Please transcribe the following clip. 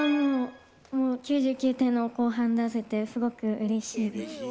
もう９９点の後半出せてすごくうれしいです。